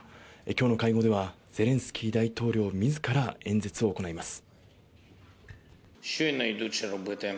今日の会合ではゼレンスキー大統領自ら演説を行います。